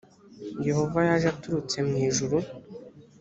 yehova yaje aturutse mwijuru